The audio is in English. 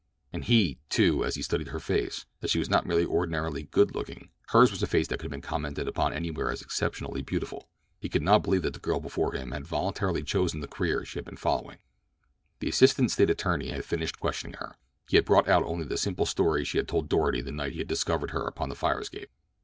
And he saw, too, as he studied her face, that she was not merely ordinarily good looking—hers was a face that would have been commented upon anywhere as exceptionally beautiful. He could not believe that the girl before him had voluntarily chosen the career she had been following. The assistant State attorney had finished questioning her. He had brought out only the simple story she had told Doarty the night he had discovered her upon the fire escape.